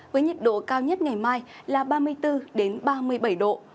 với nhiệt độ cao nhất ngày mai là ba mươi bốn ba mươi bảy độ